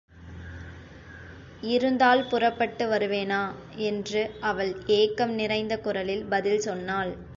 இருந்தால் புறப்பட்டு வருவேனா? என்று அவள் ஏக்கம் நிறைந்த குரலில் பதில் சொன்னாள்.